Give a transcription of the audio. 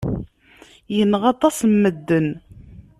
Yenɣa aṭas n medden.